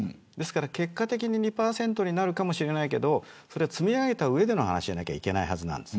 結果的に２％になるかもしれないけれどそれは積み上げた上での話じゃないといけないんです。